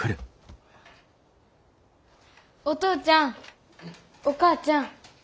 お父ちゃんお母ちゃん。